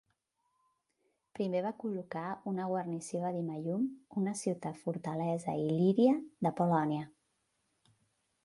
Primer va col·locar una guarnició a Dimallum, una ciutat-fortalesa il·líria d'Apol·lònia.